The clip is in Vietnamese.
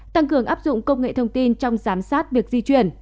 tăng cường áp dụng công nghệ thông tin trong giám sát việc di chuyển